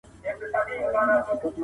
تخنیک د کار اسانتیا زیاتوي.